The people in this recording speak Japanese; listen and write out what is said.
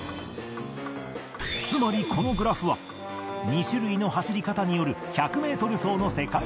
つまりこのグラフは２種類の走り方による１００メートル走の世界記録